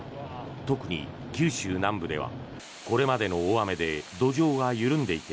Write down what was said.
特に九州南部ではこれまでの大雨で土壌が緩んでいて